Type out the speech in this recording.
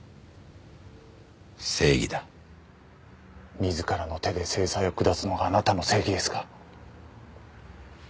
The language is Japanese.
自らの手で制裁を下すのがあなたの正義ですか？